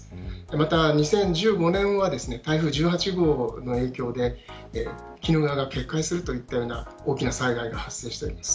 また、２０１５年は台風１８号の影響で鬼怒川が決壊するといった大きな災害が発生しています。